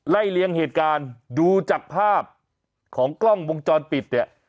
ไล่เลี้ยงเหตุการณ์ดูจากภาพของกล้องวงจรปิดเนี่ย